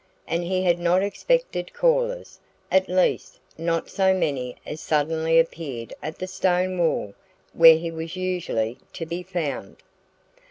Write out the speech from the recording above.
And he had not expected callers at least not so many as suddenly appeared at the stone wall where he was usually to be found.